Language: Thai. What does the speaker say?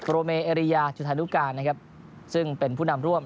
โรเมเอรียจุธานุกาซึ่งเป็นผู้นำร่วม